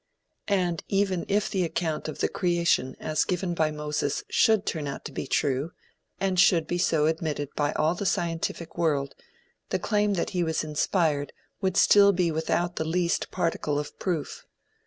And even if the account of the Creation as given by Moses should turn out to be true, and should be so admitted by all the scientific world, the claim that he was inspired would still be without the least particle of proof.